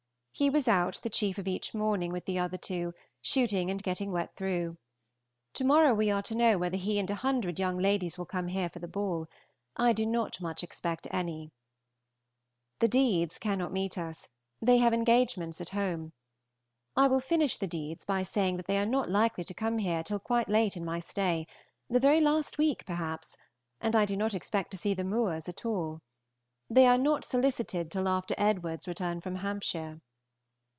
He was out the chief of each morning with the other two, shooting and getting wet through. To morrow we are to know whether he and a hundred young ladies will come here for the ball. I do not much expect any. The Deedes cannot meet us; they have engagements at home. I will finish the Deedes by saying that they are not likely to come here till quite late in my stay, the very last week perhaps; and I do not expect to see the Moores at all. They are not solicited till after Edward's return from Hampshire.